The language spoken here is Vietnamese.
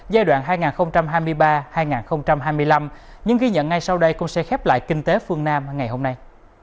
giai đoạn hai nghìn hai mươi ba hai nghìn hai mươi năm những ghi nhận ngay sau đây cũng sẽ khép lại kinh tế phương nam ngày hôm nay